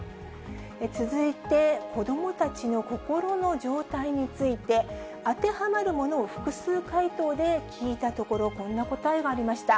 続いて、子どもたちの心の状態について、当てはまるものを複数回答で聞いたところ、こんな答えがありました。